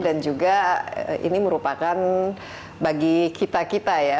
dan juga ini merupakan bagi kita kita ya